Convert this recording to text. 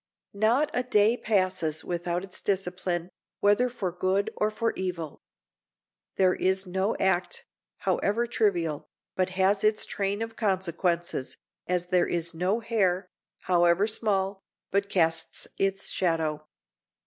Not a day passes without its discipline, whether for good or for evil. There is no act, however trivial, but has its train of consequences, as there is no hair, however small, but casts its shadow.